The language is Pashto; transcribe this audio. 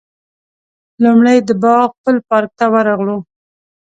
لومړی د باغ پل پارک ته ورغلو.